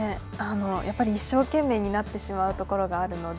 やっぱり一生懸命になってしまうところがあるので。